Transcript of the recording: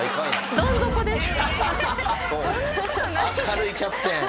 明るいキャプテン。